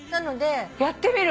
やってみる。